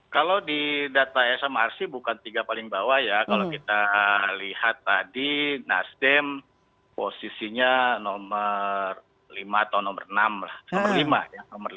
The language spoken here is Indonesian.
kalau di data smrc bukan tiga paling bawah ya kalau kita lihat tadi nasdem posisinya nomor lima atau nomor enam lah nomor lima ya